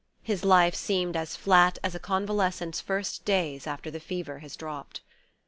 His life seemed as flat as a convalescent's first days after the fever has dropped.